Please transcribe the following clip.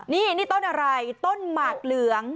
นี่นี่ต้นอะไรต้นหมากเหลือง